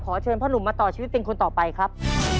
เชิญพ่อหนุ่มมาต่อชีวิตเป็นคนต่อไปครับ